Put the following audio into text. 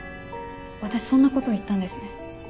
私そんなことを言ったんですね。